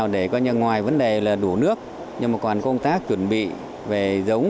để coi như ngoài vấn đề là đủ nước nhưng mà còn công tác chuẩn bị về giống